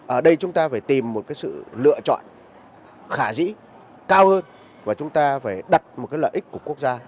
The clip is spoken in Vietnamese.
ở đây chúng ta phải tìm một sự lựa chọn khả dĩ cao hơn và chúng ta phải đặt một lợi ích của quốc gia